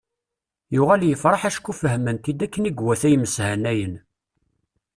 Yuɣal yefreḥ acku fehmen-t-id akken i iwata yimeshanayen.